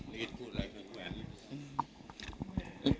นี่คิดพูดอะไรคุณแหวน